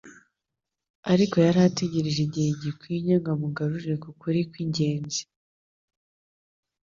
Ariko yari ategereje igihe gikwinye ngo amugarure ku kuri kw'ingenzi.